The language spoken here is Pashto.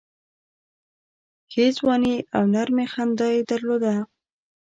ښې ځواني او نرمي خندا یې درلوده.